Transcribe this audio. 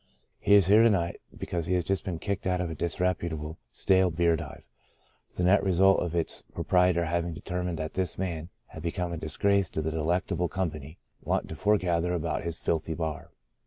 He is here to night, because he has just been kicked out of a dis reputable, stale beer dive, the net result of its proprietor having determined that this man had become a disgrace to the delectable company wont to foregather about his filthy bar.